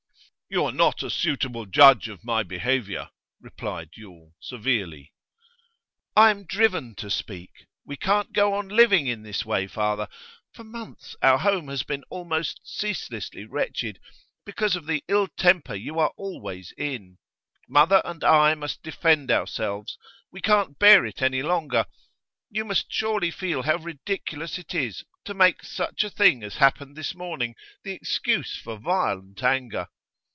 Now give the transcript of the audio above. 'You are not a suitable judge of my behaviour,' replied Yule, severely. 'I am driven to speak. We can't go on living in this way, father. For months our home has been almost ceaselessly wretched, because of the ill temper you are always in. Mother and I must defend ourselves; we can't bear it any longer. You must surely feel how ridiculous it is to make such a thing as happened this morning the excuse for violent anger.